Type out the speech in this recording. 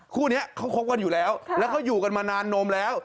คู่นี้เขาคบกันอยู่แล้วแล้วเขาอยู่กันมานานนมแล้ว